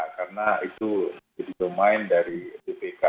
karena itu domain dari bpk